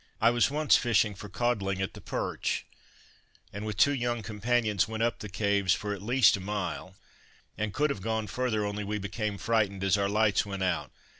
I was once fishing for codling at the Perch, and with two young companions went up the caves for at least a mile, and could have gone further only we became frightened as our lights went out.